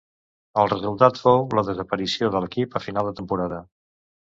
El resultat fou la desaparició de l'equip a final de temporada.